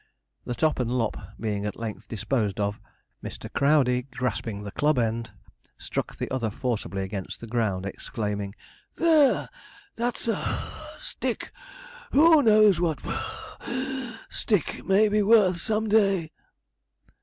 The top and lop being at length disposed of, Mr. Crowdey, grasping the club end, struck the other forcibly against the ground, exclaiming, 'There! there's a (puff) stick! Who knows what that (puff wheeze) stick may be worth some day?'